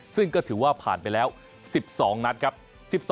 ซึ่งก็ถือว่าผ่านไปแล้ว๑๒นัดครับ